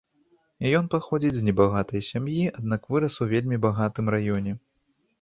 Ён паходзіць з небагатай сям'і, аднак вырас у вельмі багатым раёне.